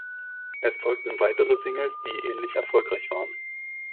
Es folgten weitere Singles, die ähnlich erfolgreich waren.